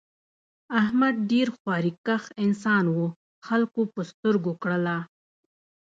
احمد ډېر خواریکښ انسان و خلکو په سترگو کړلا.